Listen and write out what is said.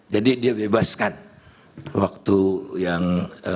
jadi dia bebaskan waktu yang